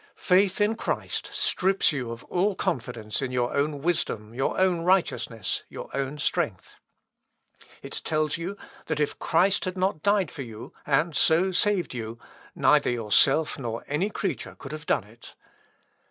Faith in Christ strips you of all confidence in your own wisdom, your own righteousness, your own strength. It tells you that if Christ had not died for you, and so saved you, neither yourself nor any creature could have done it.